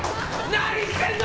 何してんの！